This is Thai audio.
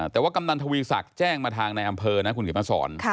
แต่ว่ากำนันทวีศักดิ์แจ้งมาทางในอำเภอนะคุณเขียนมาสอน